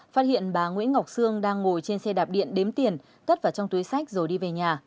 phát hiện bà nguyễn ngọc sương đang ngồi trên xe đạp điện đếm tiền cất vào trong túi sách rồi đi về nhà